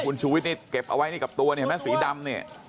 คุณชูวิทย์นี่เก็บเอาไว้นี่กับตัวนี่เห็นไหมสีดำเนี่ย